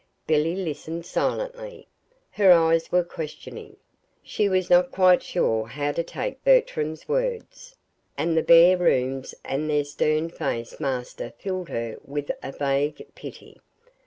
Billy listened silently. Her eyes were questioning. She was not quite sure how to take Bertram's words; and the bare rooms and their stern faced master filled her with a vague pity.